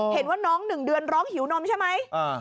เห็นว่าน้อง๑เดือนร้องหิวนมใช่ไหม